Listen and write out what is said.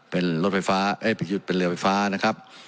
เป็นเรือไฟฟ้านะครับ